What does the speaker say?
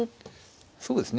そうですね。